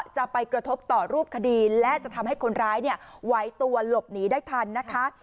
จะไปกระทบต่อรูปคดีและจะทำให้คนร้ายไหวตัวหลบหนีได้ทันนะคะ